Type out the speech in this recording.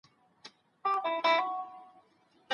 هغوی په ټولنه کې ګټور دي.